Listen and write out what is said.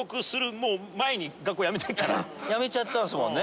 辞めちゃったんですもんね